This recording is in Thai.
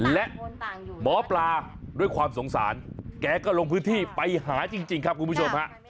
และหมอปลาด้วยความสงสารแกก็ลงพื้นที่ไปหาจริงครับคุณผู้ชมฮะ